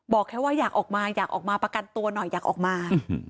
บอกแค่ว่าอยากออกมาอยากออกมาประกันตัวหน่อยอยากออกมา